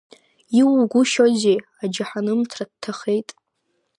Ииугәышьозеи, аџьаҳанымҭра дҭахеит.